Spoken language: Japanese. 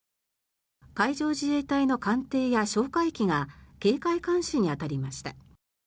海上自衛隊の艦艇や哨戒機が警戒監視に当たりました。